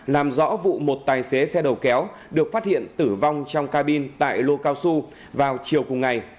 làm rõ vụ một tài xế xe đầu kéo được phát hiện tử vong trong cabin tại lô cao su vào chiều cùng ngày